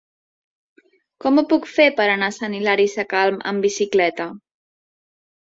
Com ho puc fer per anar a Sant Hilari Sacalm amb bicicleta?